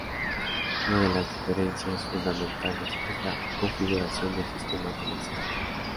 Una de las diferencias fundamentales es la configuración del sistema comercial.